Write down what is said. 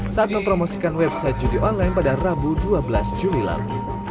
saat mempromosikan website judi online pada rabu dua belas juli lalu